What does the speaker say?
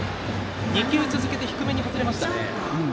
２球続けて低めに外れましたね。